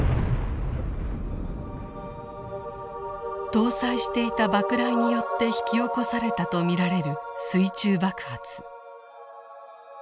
搭載していた爆雷によって引き起こされたと見られる水中爆発。